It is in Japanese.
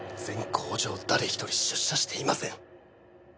全工場誰一人出社していません